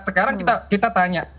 sekarang kita tanya